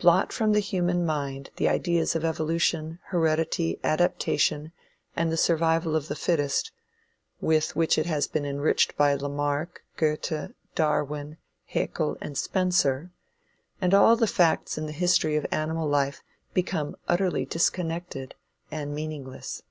Blot from the human mind the ideas of evolution, heredity, adaptation, and "the survival of the fittest," with which it has been enriched by Lamarck, Goethe, Darwin, Hæckel and Spencer, and all the facts in the history of animal life become utterly disconnected and meaningless.